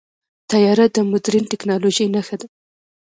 طیاره د مدرن ټیکنالوژۍ نښه ده.